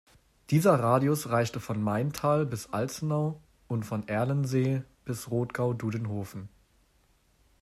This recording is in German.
Dieser Radius reichte von Maintal bis Alzenau und von Erlensee bis Rodgau-Dudenhofen.